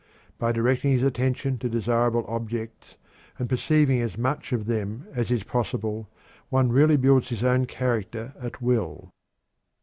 By directing his attention to desirable objects, and perceiving as much of them as is possible, one really builds his own character at will.